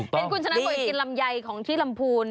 เห็นคุณชนะเคยกินลำไยของที่ลำพูน